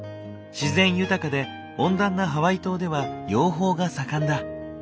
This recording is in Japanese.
自然豊かで温暖なハワイ島では養蜂が盛んだ。